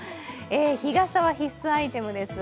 日傘は必須アイテムです